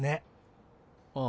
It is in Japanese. ああ。